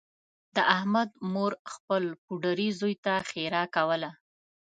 د احمد مور خپل پوډري زوی ته ښېرا کوله